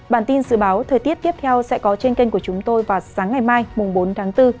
bản tin dự báo thời tiết tiếp theo sẽ có trên kênh của chúng tôi vào sáng ngày mai bốn tháng bốn